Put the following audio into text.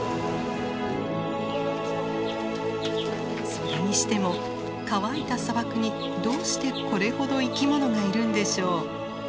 それにしても乾いた砂漠にどうしてこれほど生き物がいるんでしょう？